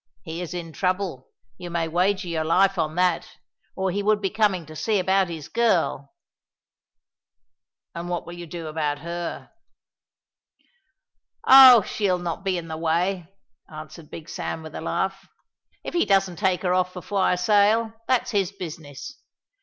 He is in trouble, you may wager your life on that, or he would be coming to see about his girl." "And what will you do about her?" "Oh, she'll not be in the way," answered Big Sam with a laugh. "If he doesn't take her off before I sail, that's his business.